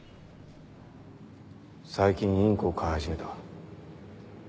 最近インコを飼い始めた。